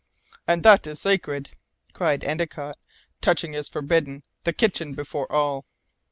"And that is sacred," cried Endicott; "touching is forbidden! The kitchen before all."